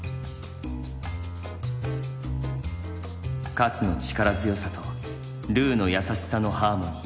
「カツの力強さとルーの優しさのハーモニー」。